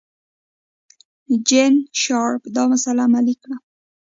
جین شارپ دا مسئله علمي کړه.